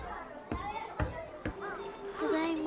ただいま。